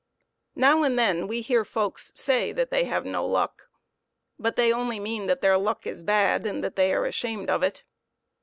Now and then we hear folks say that they have no luck, but they only mean that their luck is bad and that they are ashamed of it.